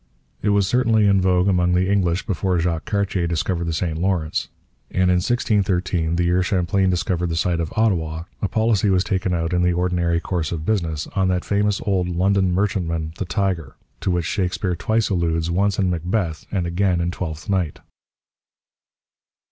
It was certainly in vogue among the English before Jacques Cartier discovered the St Lawrence. And in 1613, the year Champlain discovered the site of Ottawa, a policy was taken out, in the ordinary course of business, on that famous old London merchantman, the Tiger, to which Shakespeare twice alludes, once in Macbeth and again in Twelfth Night.